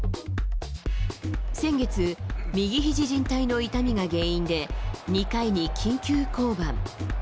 先月、右肘じん帯の痛みが原因で２回に緊急降板。